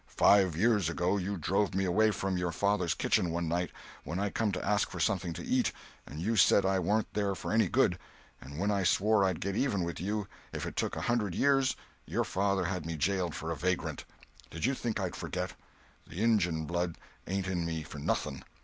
"Five years ago you drove me away from your father's kitchen one night, when I come to ask for something to eat, and you said I warn't there for any good; and when I swore I'd get even with you if it took a hundred years, your father had me jailed for a vagrant. Did you think I'd forget? The Injun blood ain't in me for nothing.